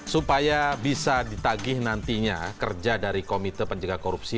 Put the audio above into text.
supaya bisa ditagih nantinya kerja dari komite penjaga korupsi